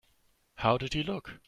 How did he look?